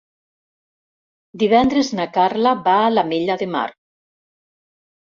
Divendres na Carla va a l'Ametlla de Mar.